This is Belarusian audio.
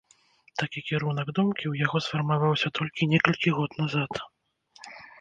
Такі кірунак думкі ў яго сфармаваўся толькі некалькі год назад.